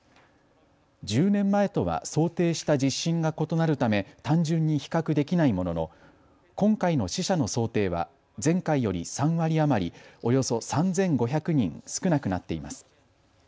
１０年前とは想定した地震が異なるため単純に比較できないものの今回の死者の想定は前回より３割余り、およそ３５００人少なくなっています。